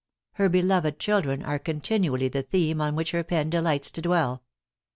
Her beloved children are continually the theme on which her pen delights to dwell.